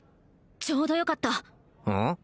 ちょうどよかったうん？